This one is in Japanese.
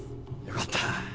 よかった。